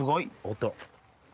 音。